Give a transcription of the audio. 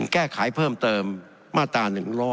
แก้ไขเพิ่มเติมมาตรา๑๕